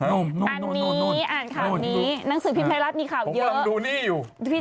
อันนี้อ่านข่าวนี้หนังสือพิมพ์ไทยรัฐมีข่าวเยอะดูนี่อยู่